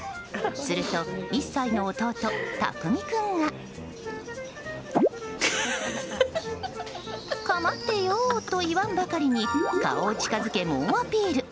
すると、１歳の弟たくみ君が構ってよと言わんばかりに顔を近づけ、猛アピール。